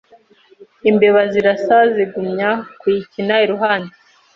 Imbeba ziraza zigumya kuyikina iruhande